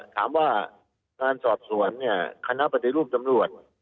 ถามว่าการสอบสวนคณะปฏิลูกตำรวจ